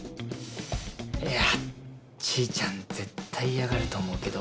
いやちーちゃん絶対嫌がると思うけど。